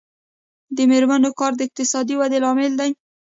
د میرمنو کار د اقتصادي ودې لامل دی.